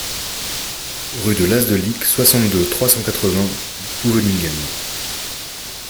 Rue de l'As de Licques, soixante-deux, trois cent quatre-vingts Bouvelinghem